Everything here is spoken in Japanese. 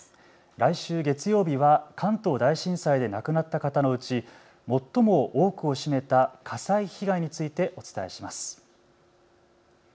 来週月曜日は関東大震災で亡くなった方のうち最も多くを占めた火災被害についてお伝えします。